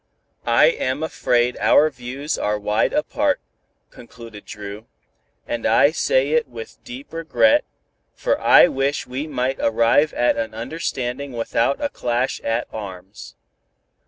"I am afraid our views are wide apart," concluded Dru, "and I say it with deep regret, for I wish we might arrive at an understanding without a clash at arms.